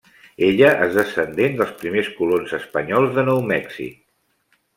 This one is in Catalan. Ella és descendent dels primers colons espanyols de Nou Mèxic.